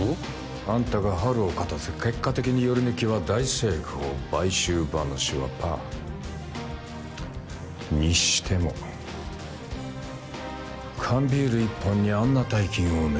あんたがハルを勝たせ結果的にヨリヌキは大成功買収話はパーにしても缶ビール１本にあんな大金をね